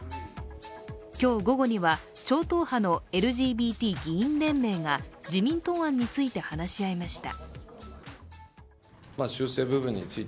今日午後には超党派のＬＧＢＴ議員連盟が自民答案について話し合いました。